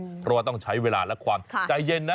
เพราะว่าต้องใช้เวลาและความใจเย็นนะ